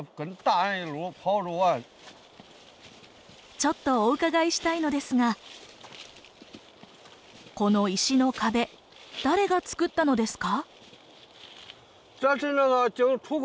ちょっとお伺いしたいのですがこの石の壁誰がつくったのですか？